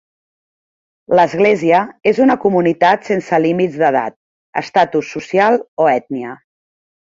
L'Església és una comunitat sense límits d'edat, estatus social o ètnia.